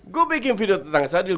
gue bikin video tentang sadil